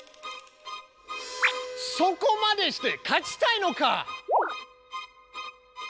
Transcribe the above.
そこまでして勝ちたいのか。